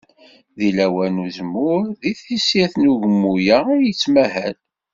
Deg lawan n uzemmur deg tissirt n ugummu-a i yettmahal.